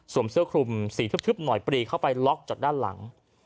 เสื้อคลุมสีทึบหน่อยปรีเข้าไปล็อกจากด้านหลัง